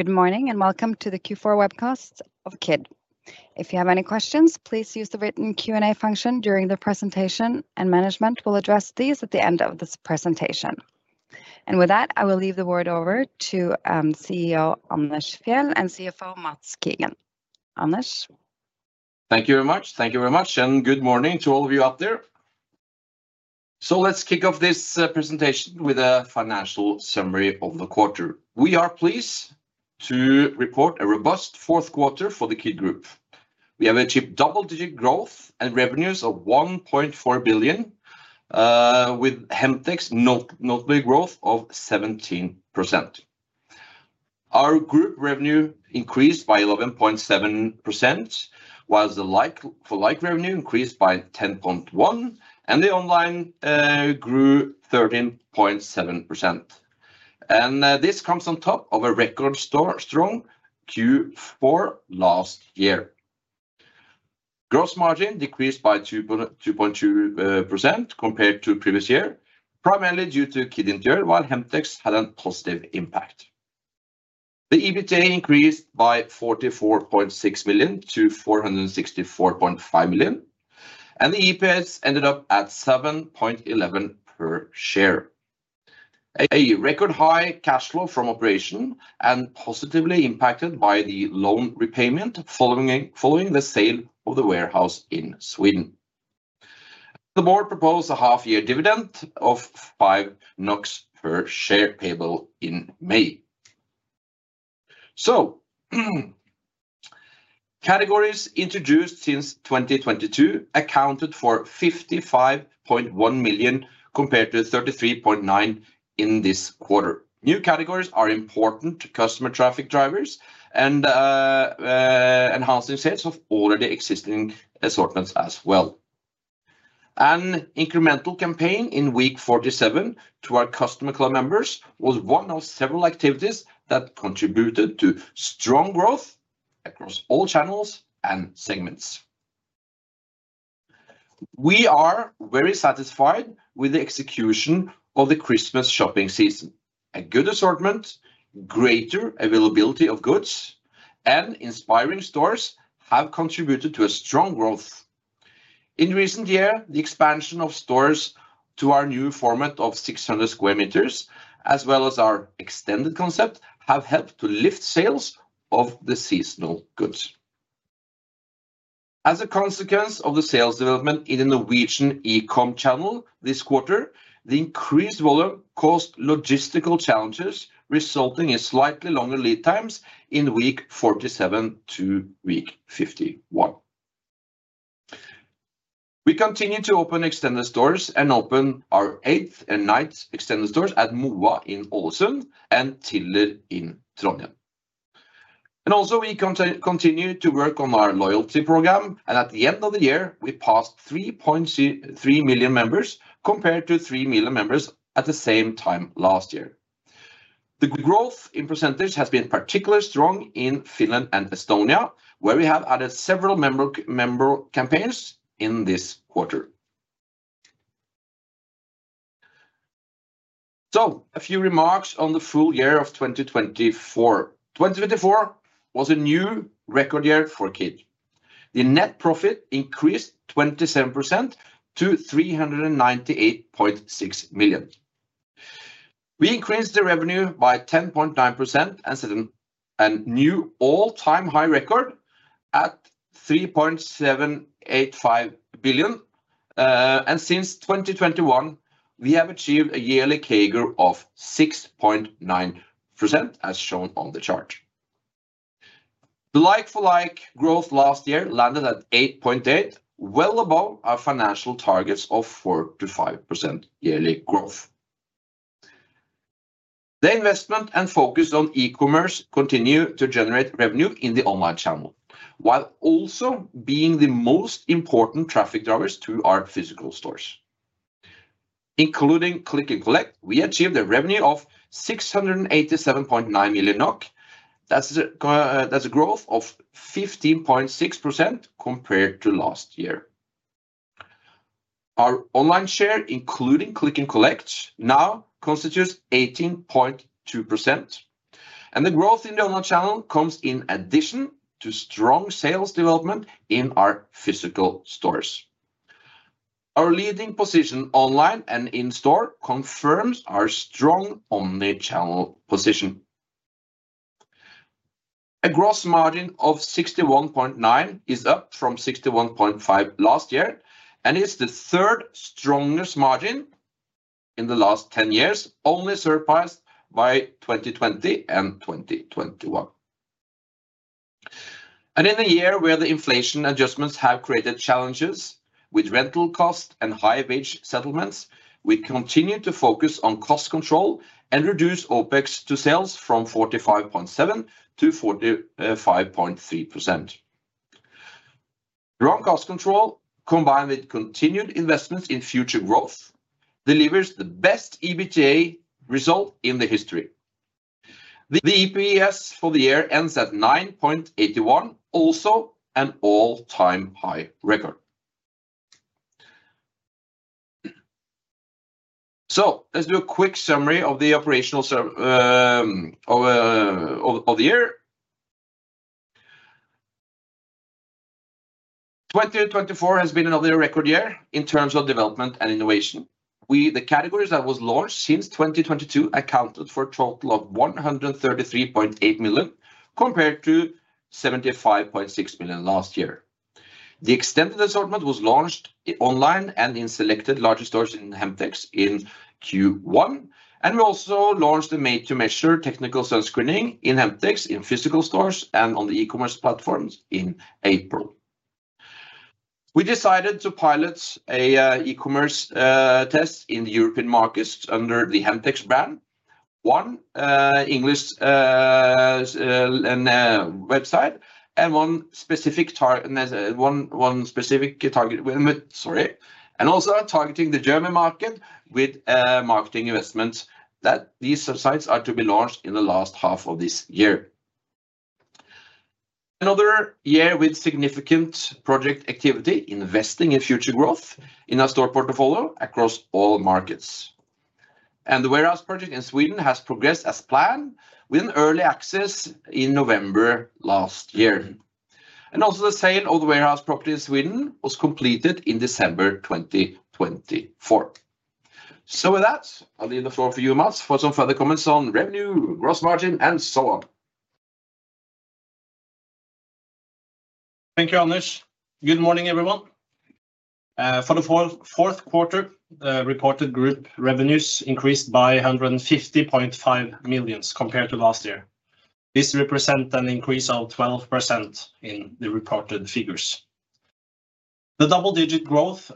Good morning and welcome to the Q4 webcast of KID. If you have any questions, please use the written Q&A function during the presentation, and management will address these at the end of this presentation. And with that, I will leave the word over to CEO Anders Fjeld and CFO Mads Kigen. Anders. Thank you very much. Thank you very much, and good morning to all of you out there. So let's kick off this presentation with a financial summary of the quarter. We are pleased to report a robust fourth quarter for the Kid Group. We have achieved double-digit growth and revenues of 1.4 billion, with Hemtex's notable growth of 17%. Our group revenue increased by 11.7%, while the like-for-like revenue increased by 10.1%, and the online grew 13.7%, and this comes on top of a record-strong Q4 last year. Gross margin decreased by 2.2% compared to the previous year, primarily due to KID Interior, while Hemtex had a positive impact. The EBITDA increased by 44.6 million to 464.5 million, and the EPS ended up at 7.11 per share. A record high cash flow from operations, positively impacted by the loan repayment following the sale of the warehouse in Sweden. The board proposed a half-year dividend of 5 NOK per share payable in May, so categories introduced since 2022 accounted for 55.1 million compared to 33.9 in this quarter. New categories are important to customer traffic drivers and enhancing sales of all of the existing assortments as well. An incremental campaign in week 47 to our customer club members was one of several activities that contributed to strong growth across all channels and segments. We are very satisfied with the execution of the Christmas shopping season. A good assortment, greater availability of goods, and inspiring stores have contributed to a strong growth. In the recent year, the expansion of stores to our new format of 600 square meters, as well as our extended concept, have helped to lift sales of the seasonal goods. As a consequence of the sales development in the Norwegian e-com channel this quarter, the increased volume caused logistical challenges, resulting in slightly longer lead times in week 47 to week 51. We continue to open extended stores and open our eighth and ninth extended stores at Moa in Ålesund and Tiller in Trondheim. We continue to work on our loyalty program, and at the end of the year, we passed 3.3 million members compared to 3 million members at the same time last year. The growth in percentage has been particularly strong in Finland and Estonia, where we have added several member campaigns in this quarter. A few remarks on the full year of 2024. 2024 was a new record year for Kid. The net profit increased 27% to 398.6 million. We increased the revenue by 10.9% and set a new all-time high record at 3.785 billion NOK, and since 2021, we have achieved a yearly CAGR of 6.9%, as shown on the chart. The like-for-like growth last year landed at 8.8%, well above our financial targets of 4%-5% yearly growth. The investment and focus on e-commerce continue to generate revenue in the online channel, while also being the most important traffic drivers to our physical stores. Including click and collect, we achieved a revenue of 687.9 million NOK. That's a growth of 15.6% compared to last year. Our online share, including click and collect, now constitutes 18.2%, and the growth in the online channel comes in addition to strong sales development in our physical stores. Our leading position online and in-store confirms our strong omnichannel position. A gross margin of 61.9% is up from 61.5% last year and is the third strongest margin in the last 10 years, only surpassed by 2020 and 2021, and in a year where the inflation adjustments have created challenges with rental costs and high wage settlements, we continue to focus on cost control and reduce OPEX to sales from 45.7% to 45.3%. Strong cost control, combined with continued investments in future growth, delivers the best EBITDA result in the history. The EPS for the year ends at 9.81, also an all-time high record, so let's do a quick summary of the operations of the year. 2024 has been another record year in terms of development and innovation. The categories that were launched since 2022 accounted for a total of 133.8 million compared to 75.6 million last year. The extended assortment was launched online and in selected larger stores in Hemtex in Q1, and we also launched a made-to-measure technical sun screening in Hemtex in physical stores and on the e-commerce platforms in April. We decided to pilot an e-commerce test in the European markets under the Hemtex brand, one English website, and one specific target sorry, and also targeting the German market with marketing investments that these sites are to be launched in the last half of this year. Another year with significant project activity, investing in future growth in our store portfolio across all markets. And the warehouse project in Sweden has progressed as planned with an early access in November last year. And also the sale of the warehouse property in Sweden was completed in December 2024. So with that, I'll leave the floor for you, Mads, for some further comments on revenue, gross margin, and so on. Thank you, Anders. Good morning, everyone. For the fourth quarter, reported group revenues increased by 150.5 million compared to last year. This represents an increase of 12% in the reported figures. The double-digit growth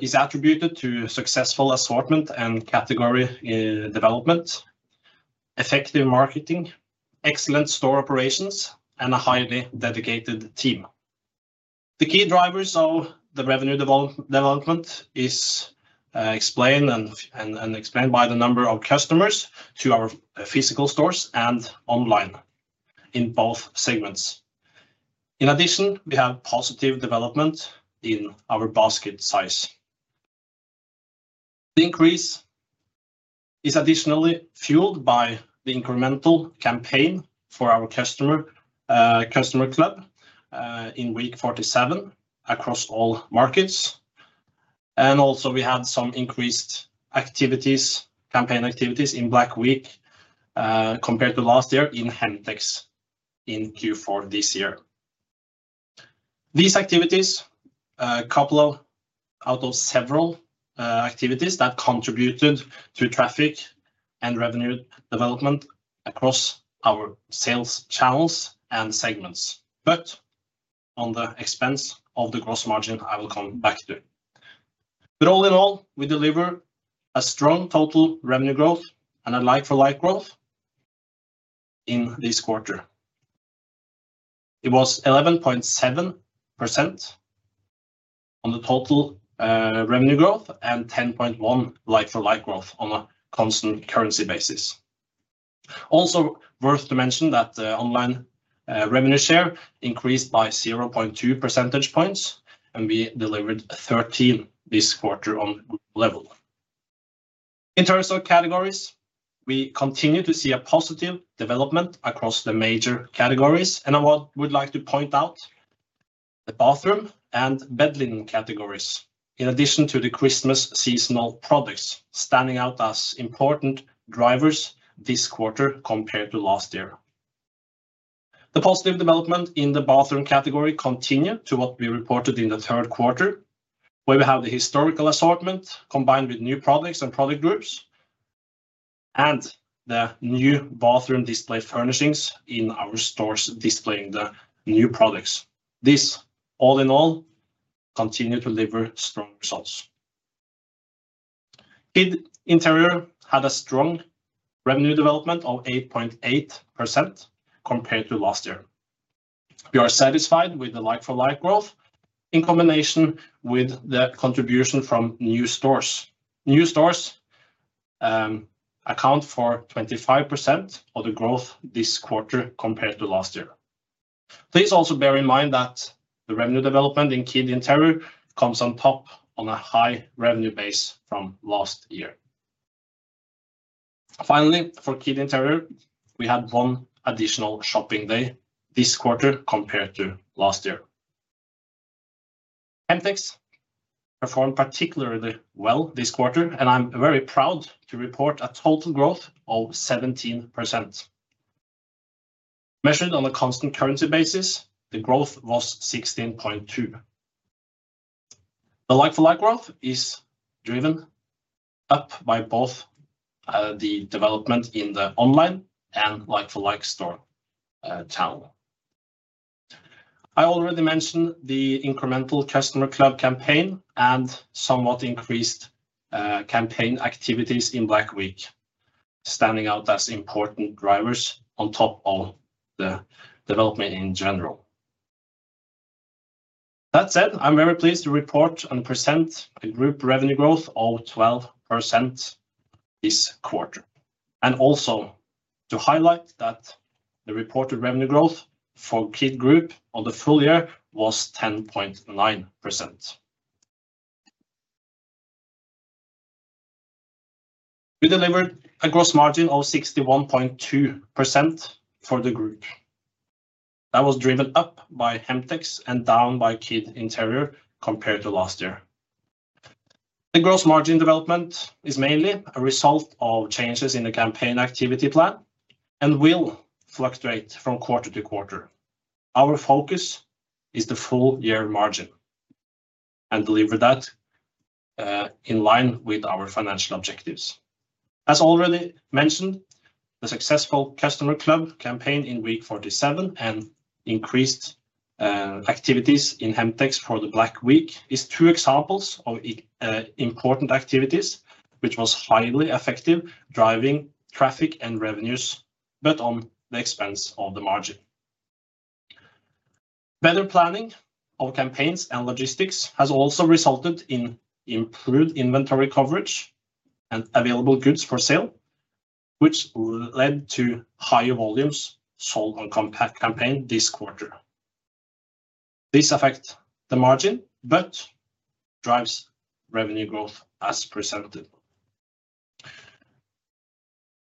is attributed to successful assortment and category development, effective marketing, excellent store operations, and a highly dedicated team. The key drivers of the revenue development are explained by the number of customers to our physical stores and online in both segments. In addition, we have positive development in our basket size. The increase is additionally fueled by the incremental campaign for our customer club in week 47 across all markets. And also we have some increased campaign activities in Black Week compared to last year in Hemtex in Q4 this year. These activities, a couple out of several activities that contributed to traffic and revenue development across our sales channels and segments, but at the expense of the gross margin, I will come back to. But all in all, we deliver a strong total revenue growth and a like-for-like growth in this quarter. It was 11.7% on the total revenue growth and 10.1% like-for-like growth on a constant currency basis. Also worth to mention that the online revenue share increased by 0.2 percentage points, and we delivered 13% this quarter on level. In terms of categories, we continue to see a positive development across the major categories, and I would like to point out the bathroom and bed linen categories, in addition to the Christmas seasonal products, standing out as important drivers this quarter compared to last year. The positive development in the bathroom category continued to what we reported in the third quarter, where we have the historical assortment combined with new products and product groups, and the new bathroom display furnishings in our stores displaying the new products. This, all in all, continues to deliver strong results. Kid Inter had a strong revenue development of 8.8% compared to last year. We are satisfied with the like-for-like growth in combination with the contribution from new stores. New stores account for 25% of the growth this quarter compared to last year. Please also bear in mind that the revenue development in Kid Inter comes on top of a high revenue base from last year. Finally, for Kid Inter, we had one additional shopping day this quarter compared to last year. Hemtex performed particularly well this quarter, and I'm very proud to report a total growth of 17%. Measured on a constant currency basis, the growth was 16.2%. The like-for-like growth is driven up by both the development in the online and like-for-like store channel. I already mentioned the incremental customer club campaign and somewhat increased campaign activities in Black Week, standing out as important drivers on top of the development in general. That said, I'm very pleased to report and present a group revenue growth of 12% this quarter, and also to highlight that the reported revenue growth for Kid Group on the full year was 10.9%. We delivered a gross margin of 61.2% for the group. That was driven up by Hemtex and down by Kid Inter compared to last year. The gross margin development is mainly a result of changes in the campaign activity plan and will fluctuate from quarter to quarter. Our focus is the full year margin and deliver that in line with our financial objectives. As already mentioned, the successful customer club campaign in week 47 and increased activities in Hemtex for the Black Week are two examples of important activities, which were highly effective, driving traffic and revenues, but on the expense of the margin. Better planning of campaigns and logistics has also resulted in improved inventory coverage and available goods for sale, which led to higher volumes sold on campaign this quarter. This affects the margin but drives revenue growth as presented.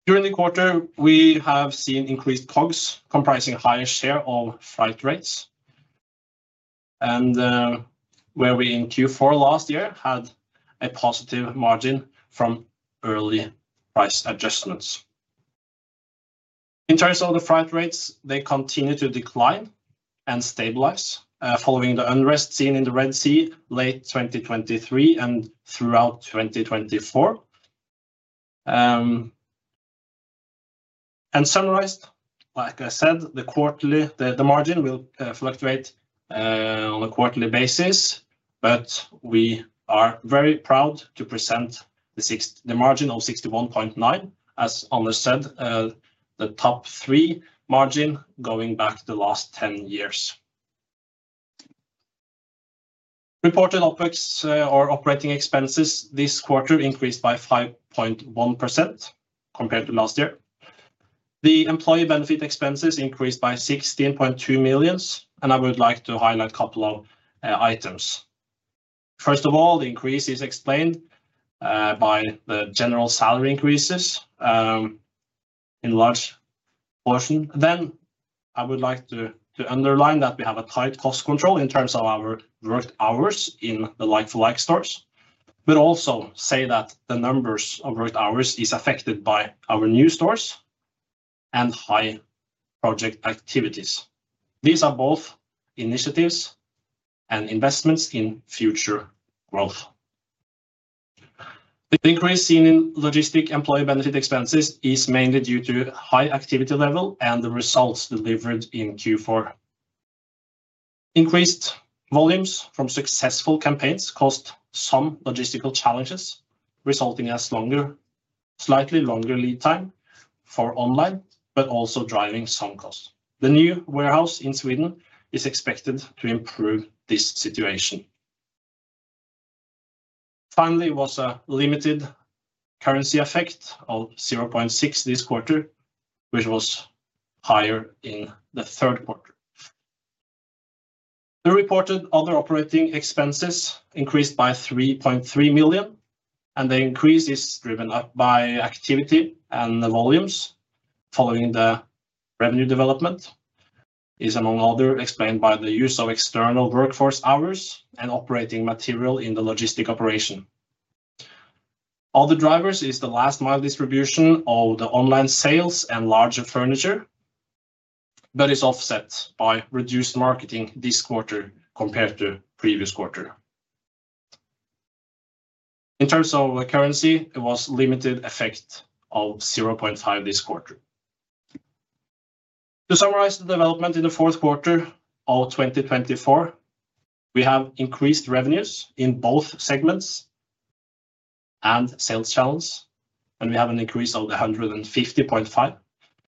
During the quarter, we have seen increased COGS comprising a higher share of freight rates, and where we in Q4 last year had a positive margin from early price adjustments. In terms of the freight rates, they continue to decline and stabilize following the unrest seen in the Red Sea late 2023 and throughout 2024. Summarized, like I said, the margin will fluctuate on a quarterly basis, but we are very proud to present the margin of 61.9%, as Anders said, the top three margin going back the last 10 years. Reported OPEX or operating expenses this quarter increased by 5.1% compared to last year. The employee benefit expenses increased by 16.2 million, and I would like to highlight a couple of items. First of all, the increase is explained by the general salary increases in large portion. Then I would like to underline that we have a tight cost control in terms of our work hours in the like-for-like stores, but also say that the numbers of work hours are affected by our new stores and high project activities. These are both initiatives and investments in future growth. The increase seen in logistics employee benefit expenses is mainly due to high activity level and the results delivered in Q4. Increased volumes from successful campaigns caused some logistical challenges, resulting in slightly longer lead time for online, but also driving some costs. The new warehouse in Sweden is expected to improve this situation. Finally, it was a limited currency effect of 0.6 million this quarter, which was higher in the third quarter. The reported other operating expenses increased by 3.3 million, and the increase is driven by activity and volumes following the revenue development. It is among other explained by the use of external workforce hours and operating material in the logistics operation. Other drivers are the last mile distribution of the online sales and larger furniture, but it is offset by reduced marketing this quarter compared to the previous quarter. In terms of currency, it was a limited effect of 0.5% this quarter. To summarize the development in the fourth quarter of 2024, we have increased revenues in both segments and sales channels, and we have an increase of 150.5 million.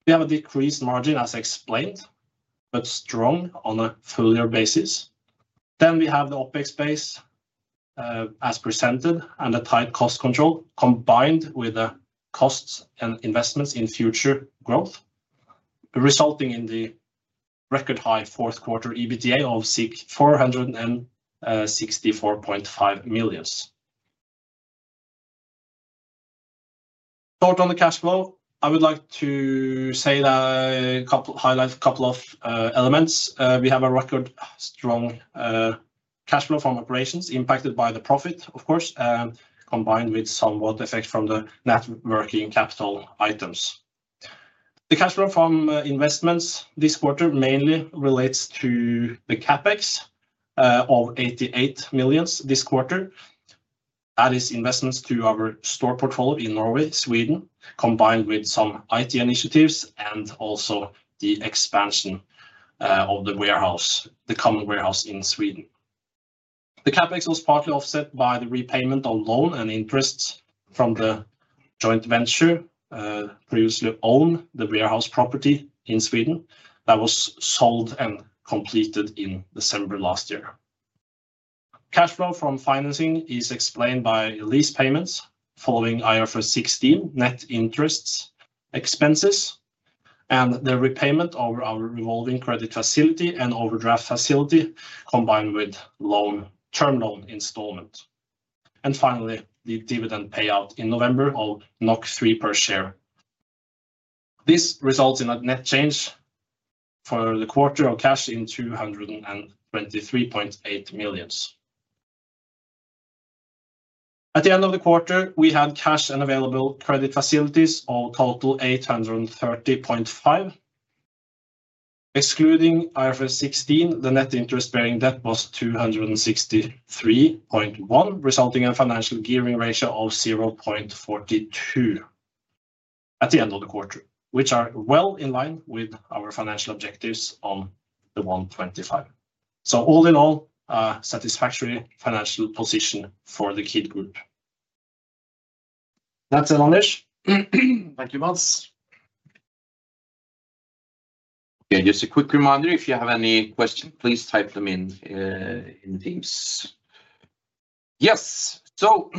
We have a decreased margin, as explained, but strong on a full year basis. Then we have the OPEX base as presented and the tight cost control combined with the costs and investments in future growth, resulting in the record high fourth quarter EBITDA of NOK 464.5 million. Short on the cash flow, I would like to say that I highlight a couple of elements. We have a record strong cash flow from operations impacted by the profit, of course, combined with somewhat effect from the working capital items. The cash flow from investments this quarter mainly relates to the CAPEX of 88 million this quarter. That is investments to our store portfolio in Norway, Sweden, combined with some IT initiatives and also the expansion of the warehouse, the common warehouse in Sweden. The CAPEX was partly offset by the repayment of loan and interest from the joint venture previously owned the warehouse property in Sweden that was sold and completed in December last year. Cash flow from financing is explained by lease payments following IFRS 16 net interest expenses and the repayment of our revolving credit facility and overdraft facility combined with long term loan installment. Finally, the dividend payout in November of 3 per share. This results in a net change for the quarter of cash in 223.8 million. At the end of the quarter, we had cash and available credit facilities of total 830.5 million. Excluding IFRS 16, the net interest bearing debt was 263.1, resulting in a financial gearing ratio of 0.42 at the end of the quarter, which are well in line with our financial objectives on the 1.25. So all in all, a satisfactory financial position for the Kid Group. That's it, Anders. Thank you, Mads. Okay, just a quick reminder, if you have any questions, please type them in in Teams. Yes, so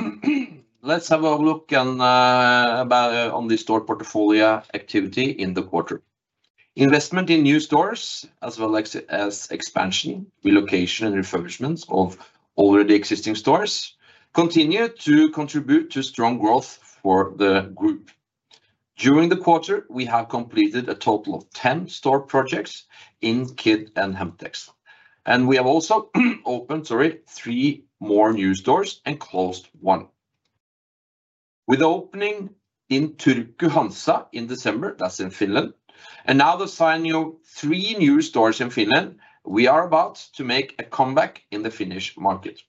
let's have a look on the store portfolio activity in the quarter. Investment in new stores, as well as expansion, relocation, and refurbishment of already existing stores, continue to contribute to strong growth for the group. During the quarter, we have completed a total of 10 store projects in Kid and Hemtex, and we have also opened three more new stores and closed one. With the opening in Turku Hansa in December, that's in Finland, and now the signing of three new stores in Finland, we are about to make a comeback in the Finnish market.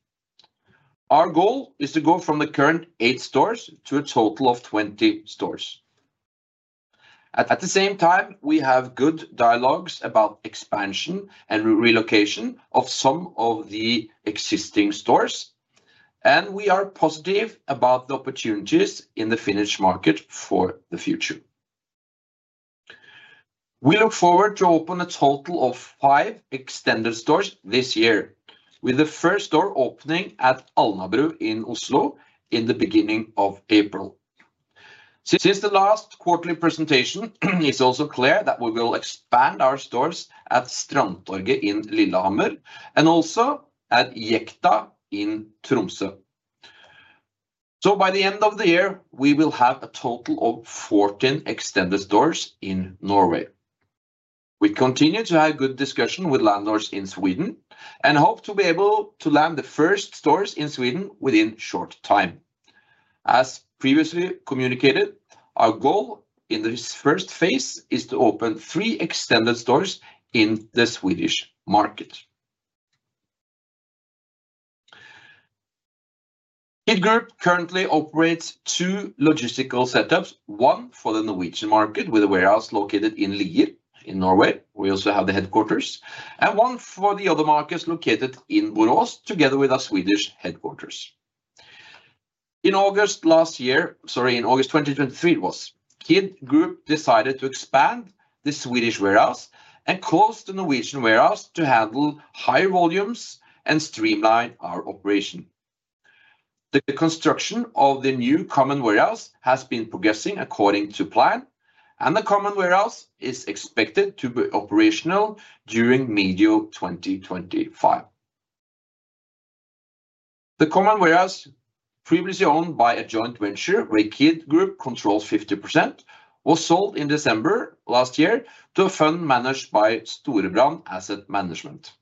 Our goal is to go from the current eight stores to a total of 20 stores. At the same time, we have good dialogues about expansion and relocation of some of the existing stores, and we are positive about the opportunities in the Finnish market for the future. We look forward to open a total of five extended stores this year, with the first store opening at Alnabru in Oslo in the beginning of April. Since this is the last quarterly presentation, it's also clear that we will expand our stores at Strandtorget in Lillehammer and also at Jekta in Tromsø. By the end of the year, we will have a total of 14 extended stores in Norway. We continue to have good discussions with landlords in Sweden and hope to be able to land the first stores in Sweden within short time. As previously communicated, our goal in this first phase is to open three extended stores in the Swedish market. KID Group currently operates two logistical setups, one for the Norwegian market with a warehouse located in Lier in Norway. We also have the headquarters, and one for the other markets located in Borås together with our Swedish headquarters. In August last year, sorry, in August 2023, it was KID Group decided to expand the Swedish warehouse and close the Norwegian warehouse to handle high volumes and streamline our operation. The construction of the new common warehouse has been progressing according to plan, and the common warehouse is expected to be operational during mid-year 2025. The common warehouse, previously owned by a joint venture where Kid Group controls 50%, was sold in December last year to a fund managed by Storebrand Asset Management.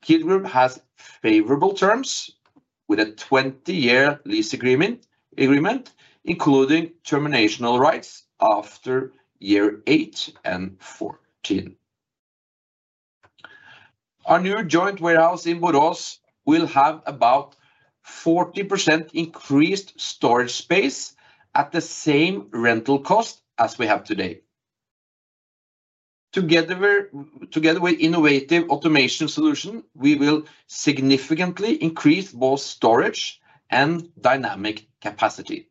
Kid Group has favorable terms with a 20-year lease agreement, including termination rights after year eight and fourteen. Our new joint warehouse in Borås will have about 40% increased storage space at the same rental cost as we have today. Together with innovative automation solutions, we will significantly increase both storage and dynamic capacity.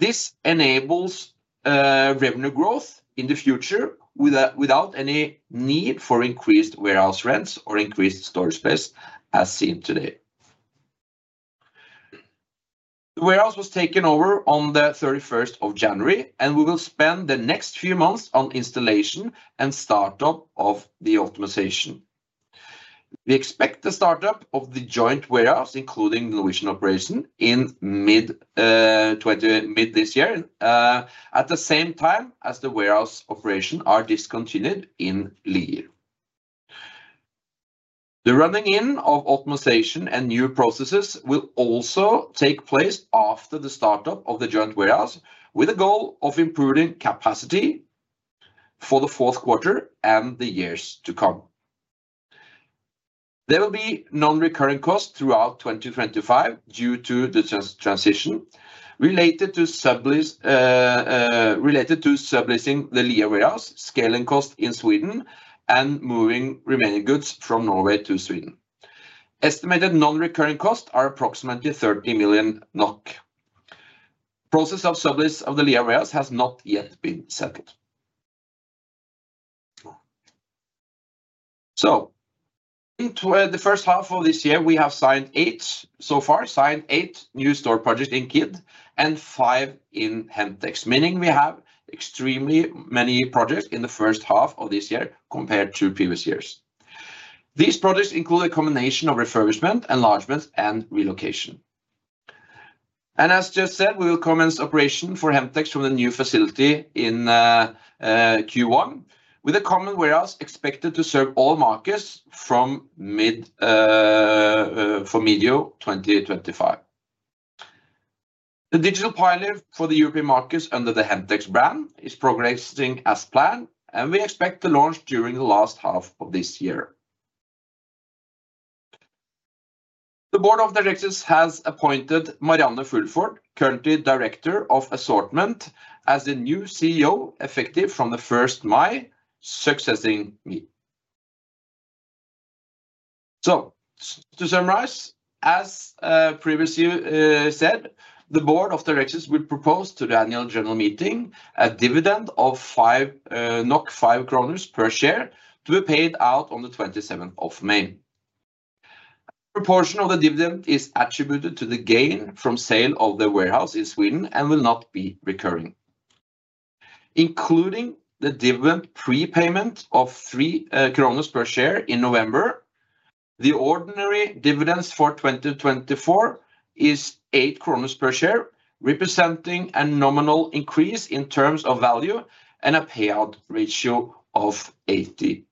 This enables revenue growth in the future without any need for increased warehouse rents or increased storage space as seen today. The warehouse was taken over on the 31st of January, and we will spend the next few months on installation and startup of the optimization. We expect the startup of the joint warehouse, including the Norwegian operation, in mid-year, at the same time as the warehouse operations are discontinued in Lier. The running in of optimization and new processes will also take place after the startup of the joint warehouse, with a goal of improving capacity for the fourth quarter and the years to come. There will be non-recurring costs throughout 2025 due to the transition related to servicing the Lier warehouse, scaling costs in Sweden, and moving remaining goods from Norway to Sweden. Estimated non-recurring costs are approximately 30 million NOK. The process of service of the Lier warehouse has not yet been set. In the first half of this year, we have signed eight so far, signed eight new store projects in Kid and five in Hemtex, meaning we have extremely many projects in the first half of this year compared to previous years. These projects include a combination of refurbishment, enlargement, and relocation. As just said, we will commence operation for Hemtex from the new facility in Q1, with a common warehouse expected to serve all markets from mid-year 2025. The digital pilot for the European markets under the Hemtex brand is progressing as planned, and we expect to launch during the last half of this year. The Board of Directors has appointed Marianne Fulford, currently Director of Assortment, as the new CEO, effective from the 1st of May, succeeding me. To summarize, as previously said, the Board of Directors will propose to the annual general meeting a dividend of 5 NOK per share to be paid out on the 27th of May. A proportion of the dividend is attributed to the gain from sale of the warehouse in Sweden and will not be recurring. Including the dividend prepayment of 3 per share in November, the ordinary dividends for 2024 is 8 per share, representing a nominal increase in terms of value and a payout ratio of 82%.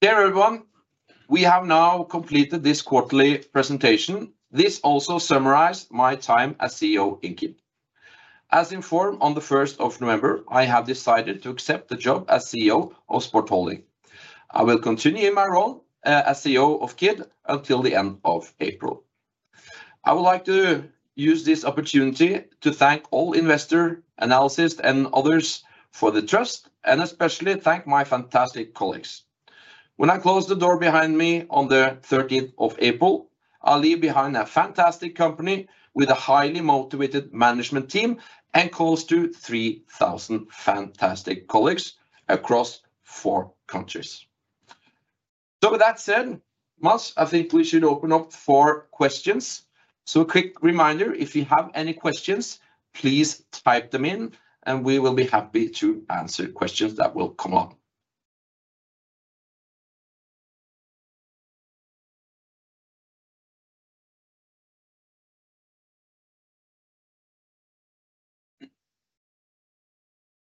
Dear everyone, we have now completed this quarterly presentation. This also summarized my time as CEO in KID. As informed on the 1st of November, I have decided to accept the job as CEO of Sport Holding. I will continue in my role as CEO of KID until the end of April. I would like to use this opportunity to thank all investors, analysts, and others for the trust, and especially thank my fantastic colleagues. When I close the door behind me on the 30th of April, I'll leave behind a fantastic company with a highly motivated management team and close to 3,000 fantastic colleagues across four countries. So, with that said, Mads, I think we should open up for questions. So, a quick reminder, if you have any questions, please type them in, and we will be happy to answer questions that will come up.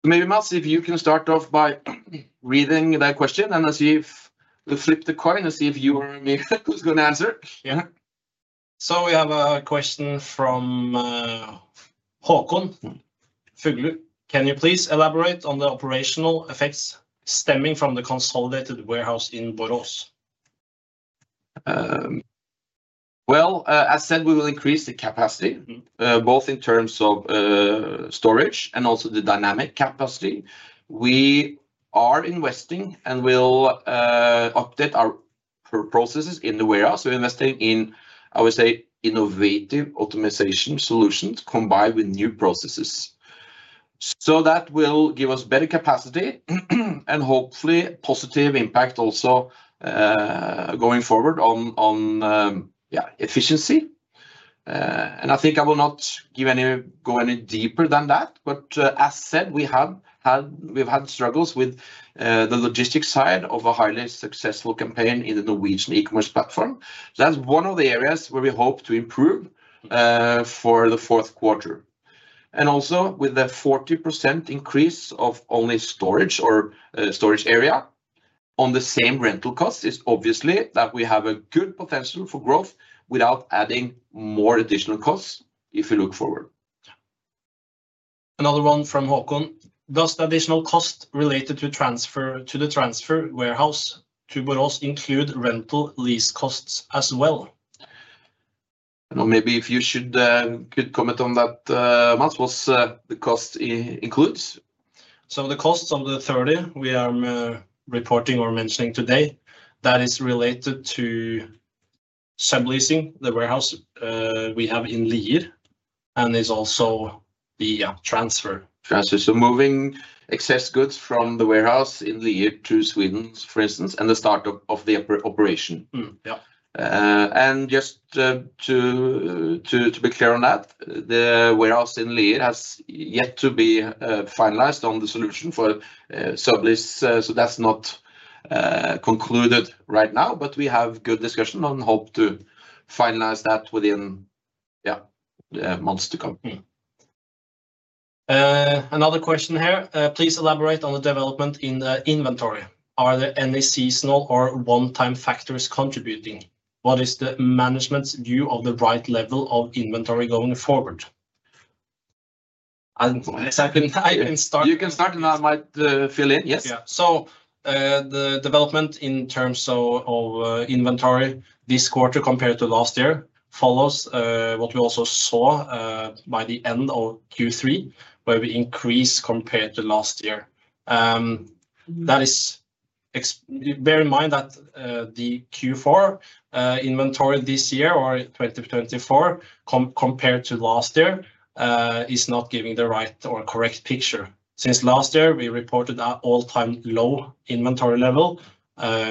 Maybe, Mads, if you can start off by reading that question and see if we flip the coin and see if you are the one who's going to answer. Yeah. So, we have a question from Håkon Fuglu. Can you please elaborate on the operational effects stemming from the consolidated warehouse in Borås? As said, we will increase the capacity, both in terms of storage and also the dynamic capacity. We are investing and will update our processes in the warehouse. We're investing in, I would say, innovative optimization solutions combined with new processes. So, that will give us better capacity and hopefully a positive impact also going forward on, yeah, efficiency. And I think I will not go any deeper than that, but as said, we've had struggles with the logistics side of a highly successful campaign in the Norwegian e-commerce platform. That's one of the areas where we hope to improve for the fourth quarter. And also, with the 40% increase of only storage or storage area on the same rental costs, it's obviously that we have a good potential for growth without adding more additional costs if we look forward. Another one from Håkon. Does the additional cost related to the transfer warehouse to Borås include rental lease costs as well? Maybe if you should comment on that, Mads, what the cost includes. So, the costs of the 30 we are reporting or mentioning today, that is related to subleasing the warehouse we have in Lier and is also the transfer. So, moving excess goods from the warehouse in Lier to Sweden, for instance, and the startup of the operation. And just to be clear on that, the warehouse in Lier has yet to be finalized on the solution for sublease, so that's not concluded right now, but we have good discussion and hope to finalize that within months to come. Another question here. Please elaborate on the development in the inventory. Are there any seasonal or one-time factors contributing? What is the management's view of the right level of inventory going forward? I can start. You can start, Mads, fill in. Yes. So, the development in terms of inventory this quarter compared to last year follows what we also saw by the end of Q3, where we increased compared to last year. That is, bear in mind that the Q4 inventory this year or 2024 compared to last year is not giving the right or correct picture. Since last year, we reported an all-time low inventory level,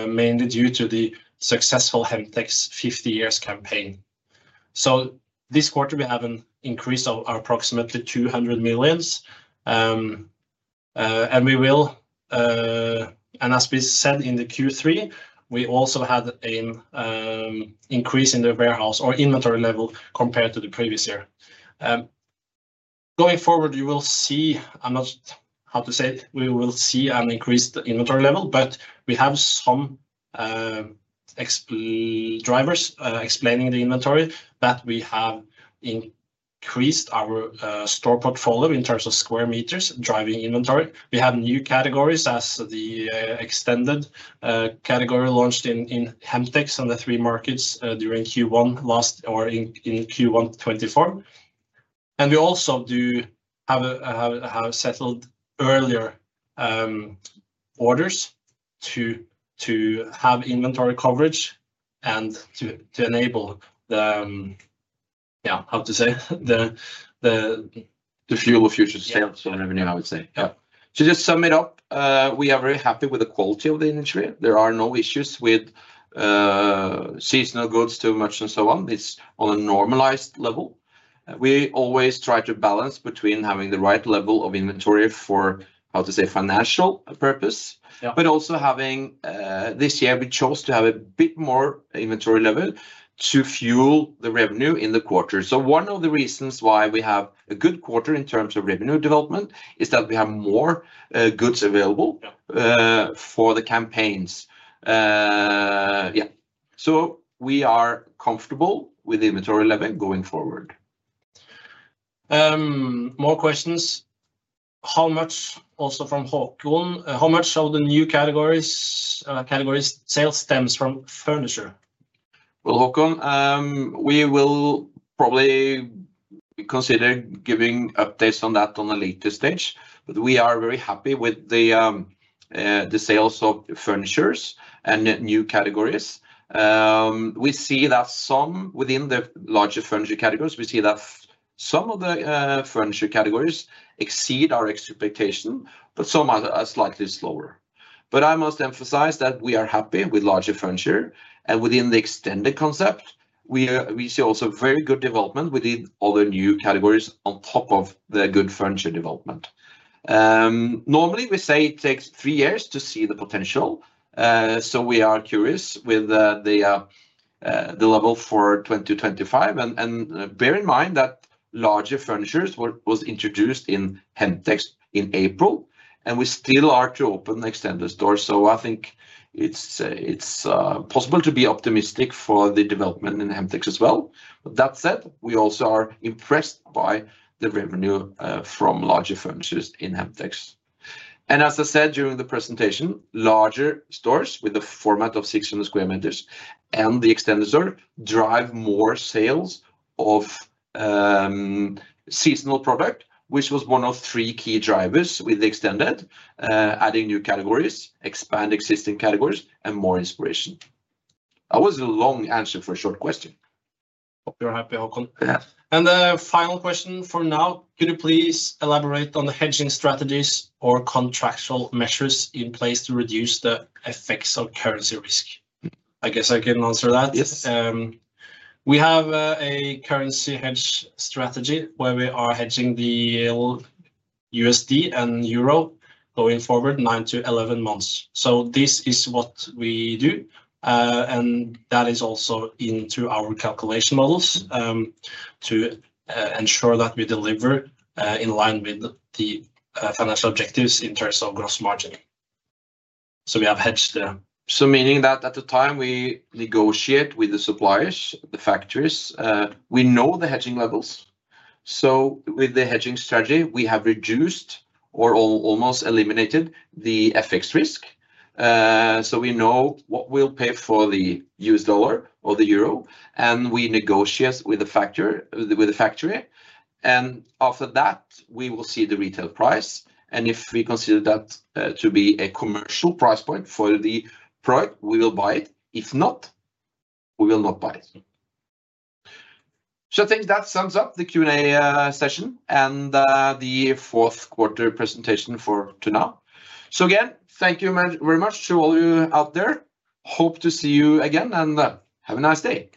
mainly due to the successful Hemtex 50 years campaign. So, this quarter, we have an increase of approximately 200 million, and we will, and as we said in the Q3, we also had an increase in the warehouse or inventory level compared to the previous year. Going forward, you will see. I'm not sure how to say: we will see an increased inventory level, but we have some drivers explaining the inventory that we have increased our store portfolio in terms of square meters driving inventory. We have new categories as the extended category launched in Hemtex and the three markets during Q1 last or in Q1 2024. And we also do have placed earlier orders to have inventory coverage and to enable the full future sales revenue, I would say. To just sum it up, we are very happy with the quality of the inventory. There are no issues with seasonal goods too much and so on. It's on a normalized level. We always try to balance between having the right level of inventory for, how to say, financial purpose, but also having, this year, we chose to have a bit more inventory level to fuel the revenue in the quarter. So, one of the reasons why we have a good quarter in terms of revenue development is that we have more goods available for the campaigns. Yeah. So, we are comfortable with the inventory level going forward. More questions. How much also from Håkon, how much of the new categories sales stems from furniture? Well, Håkon, we will probably consider giving updates on that on a later stage, but we are very happy with the sales of furnitures and new categories. We see that some within the larger furniture categories, we see that some of the furniture categories exceed our expectation, but some are slightly slower. But I must emphasize that we are happy with larger furniture, and within the extended concept, we see also very good development within other new categories on top of the good furniture development. Normally, we say it takes three years to see the potential, so we are curious with the level for 2025, and bear in mind that larger furnitures was introduced in Hemtex in April, and we still are to open the extended store, so I think it's possible to be optimistic for the development in Hemtex as well. That said, we also are impressed by the revenue from larger furnitures in Hemtex. And as I said during the presentation, larger stores with the format of 600 square meters and the extended store drive more sales of seasonal product, which was one of three key drivers with the extended, adding new categories, expanding existing categories, and more inspiration. That was a long answer for a short question. You're happy, Håkon. The final question for now, could you please elaborate on the hedging strategies or contractual measures in place to reduce the effects of currency risk? I guess I can answer that. Yes. We have a currency hedge strategy where we are hedging the USD and Euro going forward 9 to 11 months. This is what we do, and that is also into our calculation models to ensure that we deliver in line with the financial objectives in terms of gross margin. We have hedged the. Meaning that at the time we negotiate with the suppliers, the factories, we know the hedging levels. With the hedging strategy, we have reduced or almost eliminated the FX risk. So, we know what we'll pay for the US dollar or the euro, and we negotiate with the factory. And after that, we will see the retail price, and if we consider that to be a commercial price point for the product, we will buy it. If not, we will not buy it. So, I think that sums up the Q&A session and the fourth quarter presentation for now. So, again, thank you very much to all you out there. Hope to see you again and have a nice day.